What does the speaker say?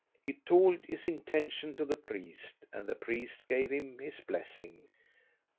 He told his intention to the priest, and the priest gave him his blessing.